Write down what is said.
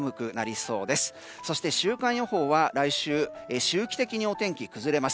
そして週間予報は来週、周期的にお天気崩れます。